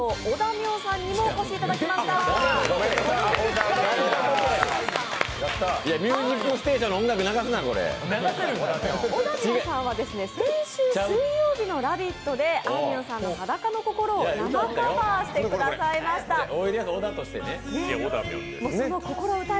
おだみょんさんは先週水曜日の「ラヴィット！」であいみょんさんの「裸の心」を生カバーしてくださいました。